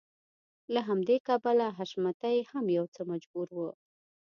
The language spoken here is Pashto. له همدې کبله حشمتی هم يو څه مجبور و.